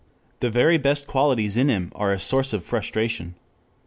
The very best qualities in him are a source of frustration.